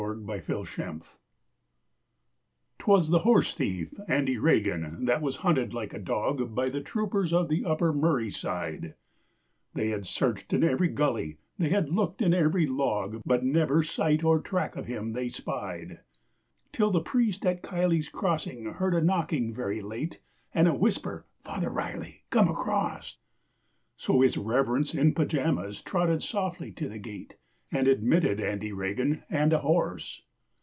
Father Riley's Horse 'Twas the horse thief, Andy Regan, that was hunted like a dog By the troopers of the Upper Murray side, They had searched in every gully they had looked in every log, But never sight or track of him they spied, Till the priest at Kiley's Crossing heard a knocking very late And a whisper 'Father Riley come across!' So his Rev'rence in pyjamas trotted softly to the gate And admitted Andy Regan and a horse!